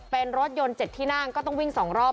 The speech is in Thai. เป็นรถยนต์๗ที่นั่งก็ต้องวิ่ง๒รอบ